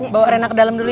bawa rena ke dalam dulu ya